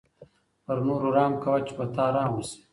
پر نورو رحم کوه چې په تا رحم وشي.